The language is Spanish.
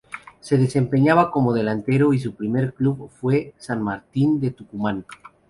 Se desempeñaba como delantero y su primer club fue San Martín de Tucumán.